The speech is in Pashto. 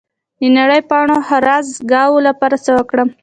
د نرۍ پاڼو هرزه ګیاوو لپاره څه وکړم؟